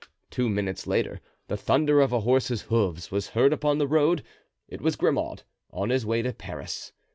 Two minutes later the thunder of a horse's hoofs was heard upon the road; it was Grimaud, on his way to Paris.